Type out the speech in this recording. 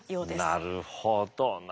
なるほどな。